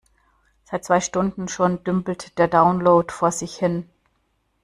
Seit zwei Stunden schon dümpelt der Download vor sich hin.